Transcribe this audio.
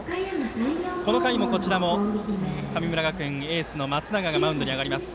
この回も、こちらも神村学園エースの松永がマウンドに上がります。